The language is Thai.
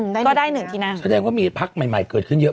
แต่ก็ได้หนึ่งที่นั่งก็มีภักดิ์ใหม่เกิดขึ้นเยอะ